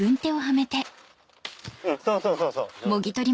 そうそうそうそう上手。